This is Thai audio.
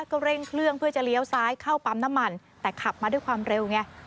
ก็เร่งเครื่องเพื่อจะเลี้ยวซ้ายเข้าปั๊มน้ำมันแต่ขับมาด้วยความเร็วไง